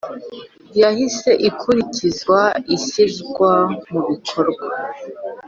Yahise ikurikizwa ishyirwa mu bikorwa